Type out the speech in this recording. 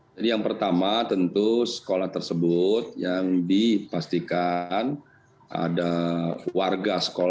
jadi yang pertama tentu sekolah tersebut yang dipastikan ada warga sekolah